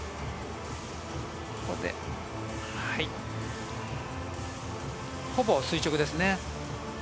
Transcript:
ここでほぼ垂直ですね。